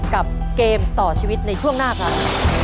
เกมต่อชีวิตในช่วงหน้าครับ